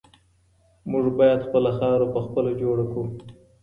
موږ باید خپله خاوره پخپله جوړه کړو.